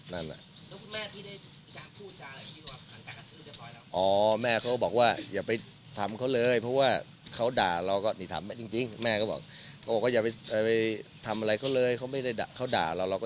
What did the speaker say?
นั่นแหละแล้วคุณแม่พี่ได้มีความพูดจากอะไรพี่ว่าอ๋อแม่เขาบอกว่าอย่าไปถามเขาเลยเพราะว่าเขาด่าเราก็